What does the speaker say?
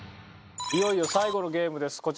いよいよ最後のゲームです。